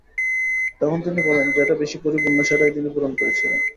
তখন তিনি বলেন, যেটা বেশি পরিপূর্ণ সেটাই তিনি পূরণ করেছিলেন।